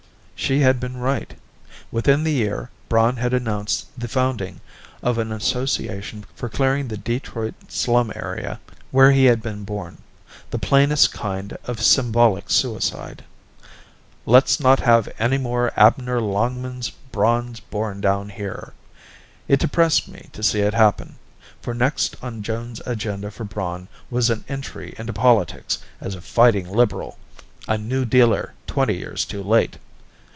She had been right; within the year, Braun had announced the founding of an association for clearing the Detroit slum area where he had been born the plainest kind of symbolic suicide: Let's not have any more Abner Longmans Brauns born down here. It depressed me to see it happen, for next on Joan's agenda for Braun was an entry into politics as a fighting liberal a New Dealer twenty years too late.